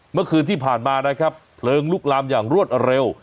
เมื่อคืนที่ผ่านมานะครับเพลิงลุกลามอย่างรวดเร็ว